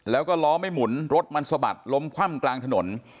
แล้วก็ล้อไม่หมุนรถมันสะบัดล้มคว่ำกลางถนน